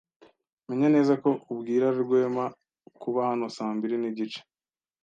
Menya neza ko ubwira Rwema kuba hano saa mbiri nigice.